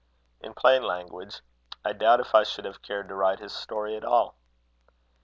In plain language, I doubt if I should have cared to write his story at all.